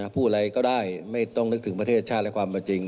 พูดอะไรก็ได้ไม่ต้องนึกถึงประเทศชาติและความเป็นจริง